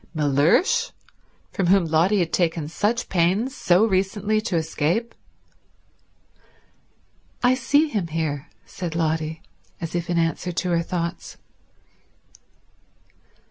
Mellersh, from whom Lotty had taken such pains so recently to escape? "I see him here," said Lotty, as if in answer to her thoughts.